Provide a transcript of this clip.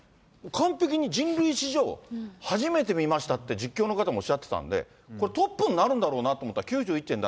完璧に人類史上初めて見ましたって、実況の方もおっしゃってたんで、これ、トップになるんだろうなと思ったら、９１．７５。